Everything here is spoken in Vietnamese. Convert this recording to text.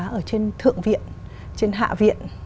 chúng tôi đã ở trên thượng viện trên hạ viện